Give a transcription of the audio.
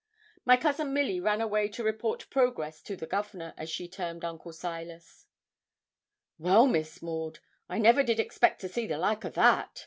My cousin Milly ran away to report progress to 'the Governor,' as she termed Uncle Silas. 'Well, Miss Maud, I never did expect to see the like o' that!'